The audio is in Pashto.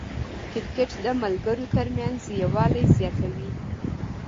کرکټ د ملګرو ترمنځ یووالی زیاتوي.